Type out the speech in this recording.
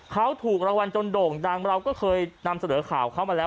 เขาถูกรางวัลจนโด่งดังเราก็เคยนำเสนอข่าวเข้ามาแล้ว